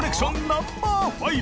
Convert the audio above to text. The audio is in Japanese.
ナンバー５